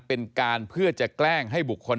เป็นการเพื่อจะแกล้งให้บุคคล